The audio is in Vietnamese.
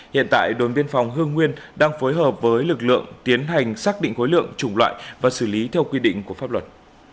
hiện tại đồn biên phòng hương nguyên đang phối hợp với lực lượng tiến hành xác định khối lượng chủng loại và xử lý theo quy định của pháp luật